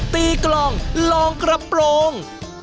ตีกลองรองกระโปร่ง